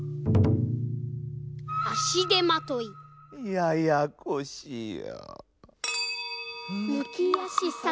ややこしや！